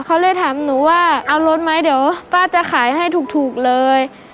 เขาเลยถามหนูว่าเอารถไหมเดี๋ยวป้าจะขายให้ถูกเลย